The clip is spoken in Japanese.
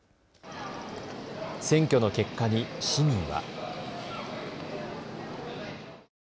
選挙の結果に市民は。